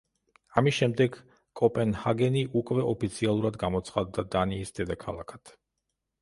ამის შემდეგ, კოპენჰაგენი უკვე ოფიციალურად გამოცხადდა დანიის დედაქალაქად.